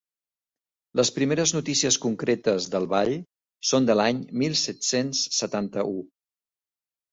Les primeres notícies concretes del ball són de l'any mil set-cents setanta-u.